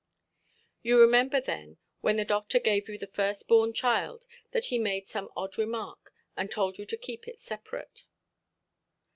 "You remember, then, when the doctor gave you the first–born child, that he made some odd remark, and told you to keep it separate"?